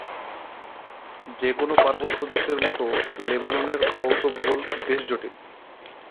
যে কোনও পার্বত্য দেশের মতো লেবাননের ভৌত ভূগোল বেশ জটিল।